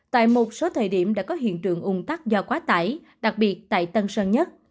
tại một số thời điểm đã có hiện tượng ung tắc do quá tải đặc biệt tại tân sơn nhất